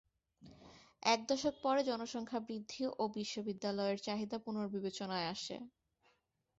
এক দশক পরে জনসংখ্যা বৃদ্ধি ও বিশ্ববিদ্যালয়ের চাহিদা পুনর্বিবেচনায় আসে।